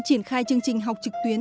triển khai chương trình học trực tuyến